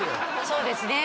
そうですね